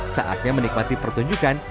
saatnya menikmati pertunjukan